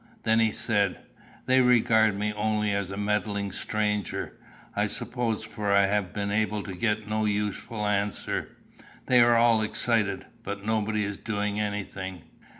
Then he said: "They regard me only as a meddling stranger, I suppose; for I have been able to get no useful answer. They are all excited; but nobody is doing anything."